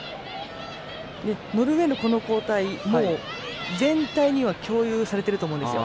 ノルウェーの交代も、全体には共有されていると思うんですよ。